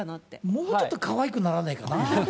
もうちょっとかわいくならないかな？